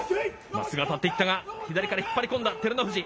まっすぐ当たっていったが、左から引っ張り込んだ、照ノ富士。